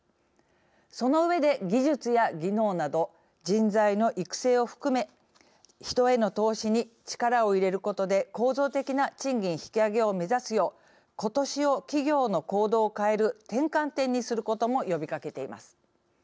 その上で、技術や技能など人材の育成を含め人への投資に力を入れることで構造的な賃金引き上げを目指すよう今年を企業の行動を変える転換点にすることも呼びかけています。